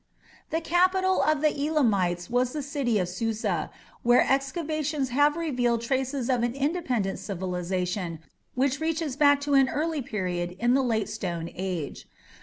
The capital of the Elamites was the city of Susa, where excavations have revealed traces of an independent civilization which reaches back to an early period in the Late Stone Age.